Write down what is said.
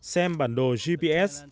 xem bản đồ gps